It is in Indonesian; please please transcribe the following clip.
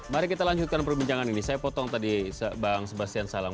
mari kita lanjutkan perbincangan ini saya potong tadi bang sebastian salang